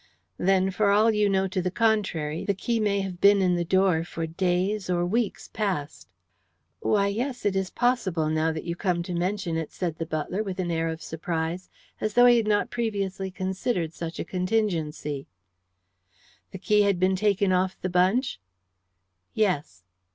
"Then, for all you know to the contrary, the key may have been in the door for days, or weeks past." "Why, yes, it is possible, now that you come to mention it," said the butler, with an air of surprise, as though he had not previously considered such a contingency. "The key had been taken off the bunch?" "Yes."